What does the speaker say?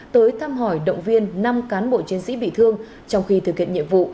tới thăm hỏi động viên năm cán bộ chiến sĩ bị thương trong khi thực hiện nhiệm vụ